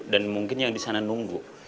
dan mungkin yang di sana nunggu